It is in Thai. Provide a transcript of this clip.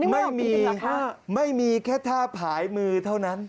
ไม่มีไม่มีแค่ท่าผายมือเท่านั้น